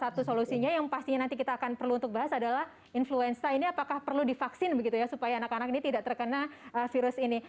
salah satu solusinya yang pastinya nanti kita akan perlu untuk bahas adalah influenza ini apakah perlu divaksin begitu ya supaya anak anak ini tidak terkena virus ini